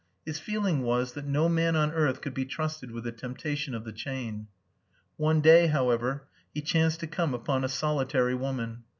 His feeling was that no man on earth could be trusted with the temptation of the chain. One day, however, he chanced to come upon a solitary woman.